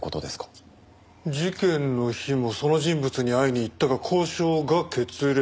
事件の日もその人物に会いに行ったが交渉が決裂。